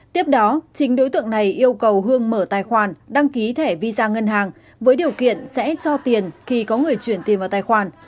tiếp đó chính đối tượng này yêu cầu hương mở tài khoản đăng ký thẻ visa ngân hàng với điều kiện sẽ cho tiền khi có người chuyển tiền vào tài khoản